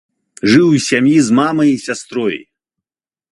Жыў у сям'і з мамай і сястрой.